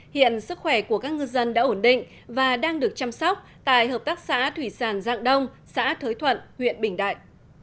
hiện sức khỏe của các ngư dân đã ổn định và đang được chăm sóc tại hợp tác xã thủy sản dạng đông xã thới thuận huyện bình đại